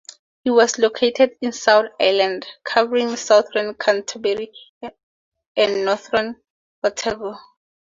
It was located in the South Island, covering southern Canterbury and northern Otago.